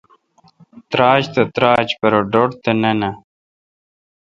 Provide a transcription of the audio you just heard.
تراچ تہ تراچ پرہ ڈھٹ تہ نہ نہ